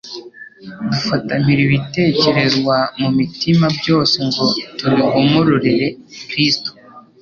dufata mpiri ibitekerezwa mu mitima byose ngo tubigomororere Kristo.»